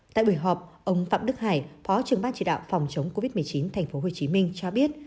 tại buổi họp ông phạm đức hải phó trưởng ban chỉ đạo phòng chống covid một mươi chín tp hcm cho biết